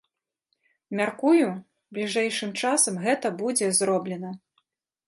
Мяркую, бліжэйшым часам гэта будзе зроблена.